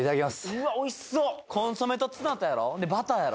うわおいしそうコンソメとツナとやろほんでバターやろ？